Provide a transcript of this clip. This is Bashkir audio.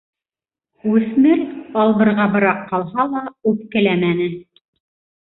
Үҫмер, албырғабыраҡ ҡалһа ла, үпкәләмәне.